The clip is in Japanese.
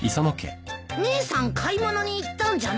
姉さん買い物に行ったんじゃないよ？